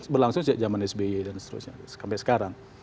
berlangsung sejak zaman sby dan seterusnya sampai sekarang